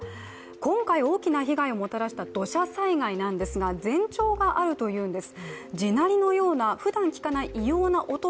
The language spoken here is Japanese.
今回大きな被害をもたらした土砂災害なんですが、前兆があるというんです。